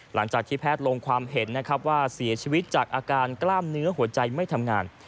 หลังจากที่แพทย์ลงความเห็นนะครับว่าเสียชีวิตจากอาการกล้ามเนื้อหัวใจไม่ทำงาน